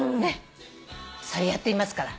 やってみますから。